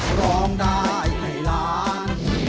ร้องได้ให้ล้าน